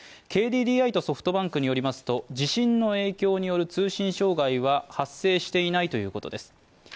ＫＤＤＩとソフトバンクによりますと、地震の影響による通信障害は発生していないということです。